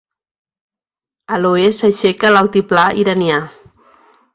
A l'oest s'aixeca l'Altiplà Iranià.